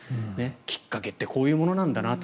きっかけってこういうものなんだなと。